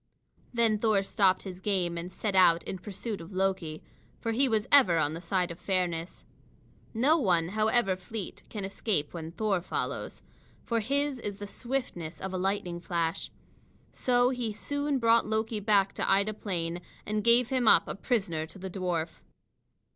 Then Thor stopped his game and set out in pursuit of Loki, for he was ever on the side of fairness. No one, however fleet, can escape when Thor follows, for his is the swiftness of a lightning flash. So he soon brought Loki back to Ida Plain, and gave him up a prisoner to the dwarf.